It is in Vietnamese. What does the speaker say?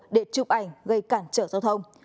để chụp ảnh gây cản trở giao thông